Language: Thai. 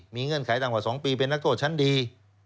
มีเงื่อนไขต่ำกว่า๒ปีเป็นนักโทษชั้นดี